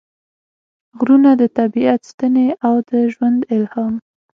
غرونه – د طبیعت ستنې او د ژوند الهام